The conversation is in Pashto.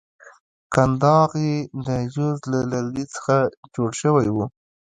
کنداغ یې د جوز له لرګي څخه جوړ شوی وو.